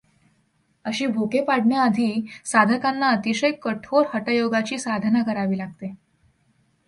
अशी भोके पाडण्याआधी साधकांना अतिशय कठोर हटयोगाची साधना करावी लागे.